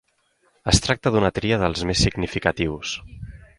Es tracta d'una tria dels més significatius.